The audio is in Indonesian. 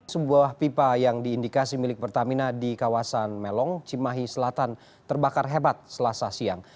sebuah pipa yang diindikasi milik pertamina di kawasan melong cimahi selatan terbakar hebat selasa siang